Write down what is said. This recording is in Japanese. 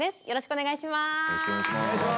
よろしくお願いします。